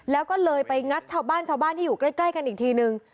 แล้วก็เลยไปงัดชาวบ้านชาวบ้านที่อยู่ใกล้กันอีกทีนึง